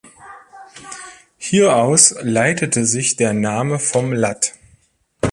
Hieraus leitete sich der Name vom lat.